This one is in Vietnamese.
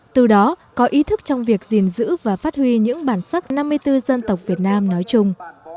từ đó có ý thức trong việc gìn giữ và phát huy những bản sắc năm mươi bốn dân tộc việt nam nói chung